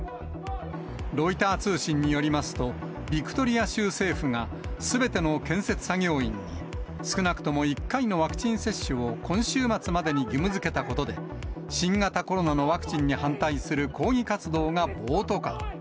ロイター通信によりますと、ビクトリア州政府が、すべての建設作業員に、少なくとも１回のワクチン接種を今週末までに義務づけたことで、新型コロナのワクチンに反対する抗議活動が暴徒化。